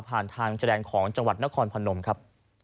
ทางแสดงของจังหวัดนครพนมครับ